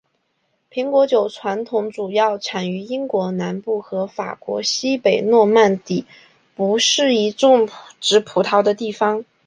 苹果酒传统主要产于英国南部和法国西北诺曼底不适宜种植葡萄的地方。